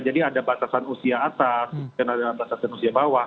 jadi ada batasan usia atas dan ada batasan usia bawah